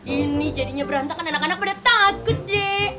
ini jadinya berantakan anak anak pada takut deh